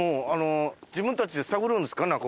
自分たちで探るんですか？